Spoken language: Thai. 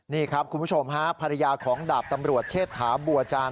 นี่ครับคุณผู้ชมฮะภรรยาของดาบตำรวจเชษฐาบัวจาน